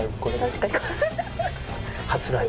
確かに。